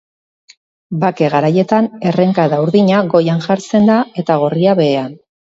Bake garaietan errenkada urdina goian jartzen da eta gorria behean.